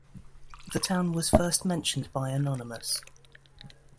The town was first mentioned by Anonymus.